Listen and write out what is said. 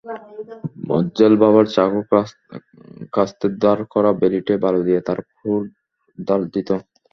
মজ্জেল বাবার চাকু-কাস্তে ধার করা বেলিটে বালু দিয়ে তার ক্ষুর ধার দিত।